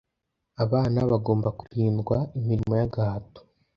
Abana bagomba kurindwa imirimo y’ agahato